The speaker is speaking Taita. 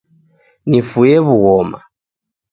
Nifue w'ughoma